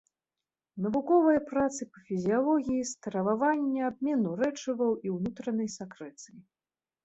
Навуковыя працы па фізіялогіі стрававання, абмену рэчываў і ўнутранай сакрэцыі.